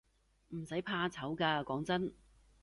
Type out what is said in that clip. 唔使怕醜㗎，講真